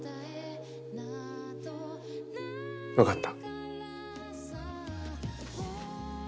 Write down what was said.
わかった。